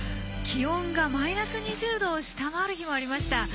気温がマイナス２０度を下回る日もありました。